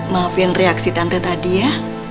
maafin reaksi tante tadi ya